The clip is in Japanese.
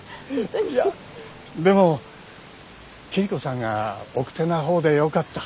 いやでも桐子さんが奥手な方でよかった。